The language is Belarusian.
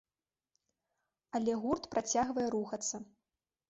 Але гурт працягвае рухацца.